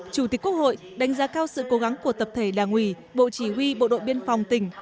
chủ tịch quốc hội đánh giá cao sự cố gắng của tập thể đảng ủy bộ chỉ huy bộ đội biên phòng tỉnh